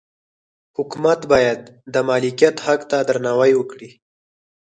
حکومت باید د مالکیت حق ته درناوی وکړي.